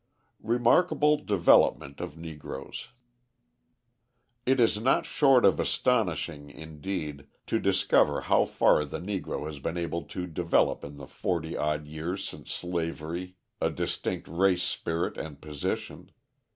Remarkable Development of Negroes It is not short of astonishing, indeed, to discover how far the Negro has been able to develop in the forty odd years since slavery a distinct race spirit and position.